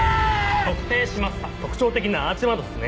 特定しますた特徴的なアーチ窓っすね。